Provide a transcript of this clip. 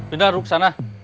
udah ruk sana